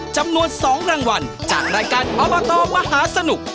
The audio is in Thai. จำนวน๒รางวัลจากรายการอบตมหาสนุก